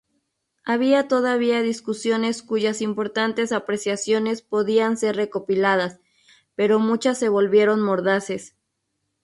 Había todavía discusiones cuyas importantes apreciaciones podían ser recopiladas, pero muchas se volvieron mordaces.